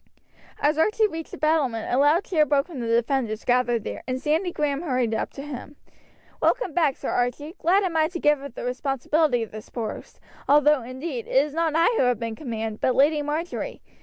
As Archie reached the battlement a loud cheer broke from the defenders gathered there, and Sandy Grahame hurried up to him. "Welcome back, Sir Archie; glad am I to give up the responsibility of this post, although, indeed, it is not I who have been in command, but Lady Marjory.